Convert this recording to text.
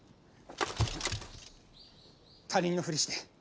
他人のふりして逃げろ。